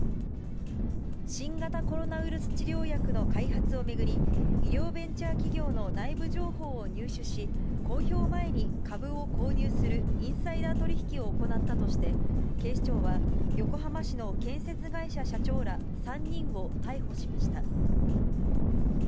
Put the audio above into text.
新型コロナウイルス治療薬の開発を巡り、医療ベンチャー企業の内部情報を入手し、公表前に株を購入するインサイダー取り引きを行ったとして、警視庁は横浜市の建設会社社長ら３人を逮捕しました。